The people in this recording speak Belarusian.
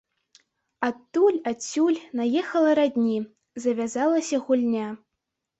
Адтуль, адсюль наехала радні, завязалася гульня.